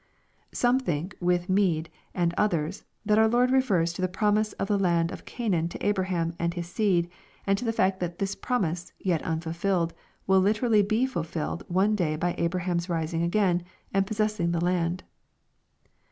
Some think, with Mede and others, that our Lord refers to the promise of the land of Canaan to Abraham and his seed, and to the fact, that this promise, yet unfulfilled, will literally be fulfilled one day by Abraham rising again, and possessing the land.